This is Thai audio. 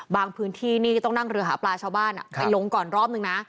พื้นที่นี่ก็ต้องนั่งเรือหาปลาชาวบ้านไปลงก่อนรอบนึงนะ